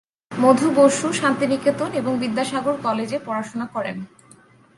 মধু বসু শান্তিনিকেতন এবং বিদ্যাসাগর কলেজে পড়াশোনা করেন।